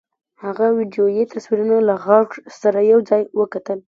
هغه ويډيويي تصويرونه له غږ سره يو ځای وکتل.